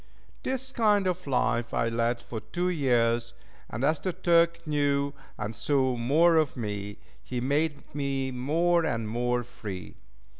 This kind of life I led for two years, and as the Turk knew and saw more of me, he made me more and more free.